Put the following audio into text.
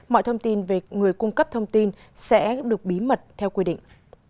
mọi thông tin về người cung cấp thông tin sẽ được bí mật theo quy định